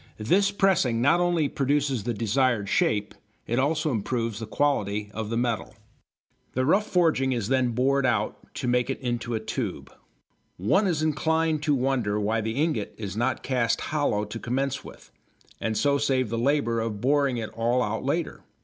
This pressing not only produces the desired shape, it also improves the quality of the metal. The rough forging is then bored out, to make it into a tube. One is inclined to wonder why the ingot is not cast hollow to commence with, and so save the labour of boring it all out later.